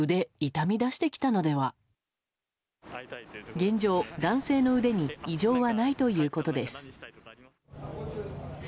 現状、男性の腕に異常はないということです。